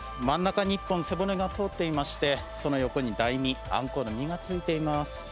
真ん中に一本背骨が通っていましてその横に台身あんこうの身がついています。